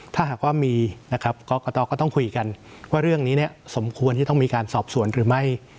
ถ้าหากว่ามีนะครับกรกตก็ต้องคุยกันว่าเรื่องนี้เนี่ยสมควรที่ต้องมีการสอบสวนหรือไม่